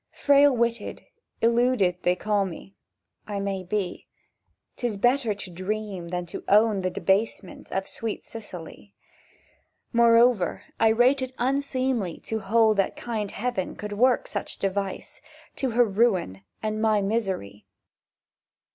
Frail witted, illuded they call me; I may be. 'Tis better To dream than to own the debasement Of sweet Cicely. Moreover I rate it unseemly To hold that kind Heaven Could work such device—to her ruin And my misery.